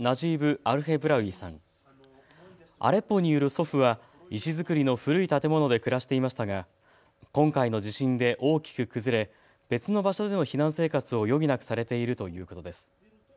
アレッポにいる祖父は石造りの古い建物で暮らしていましたが今回の地震で大きく崩れ、別の場所での避難生活を余儀なくされているということです。